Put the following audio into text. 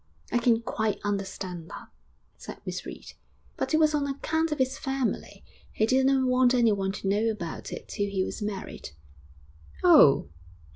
'I can quite understand that,' said Miss Reed. 'But it was on account of his family. He didn't want anyone to know about it till he was married.' 'Oh!'